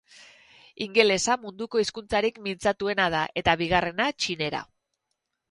Ingelesa, munduko hizkuntzarik mintzatuena da, eta bigarrena, Txinera.